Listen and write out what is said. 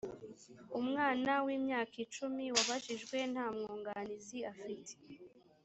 umwana w imyaka icumi wabajijwe nta mwunganizi afite